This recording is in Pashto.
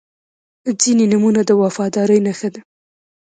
• ځینې نومونه د وفادارۍ نښه ده.